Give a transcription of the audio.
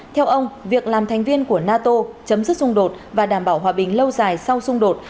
theo ông việc làm thành viên của nato chấm dứt xung đột và đảm bảo hòa bình lâu dài sau xung đột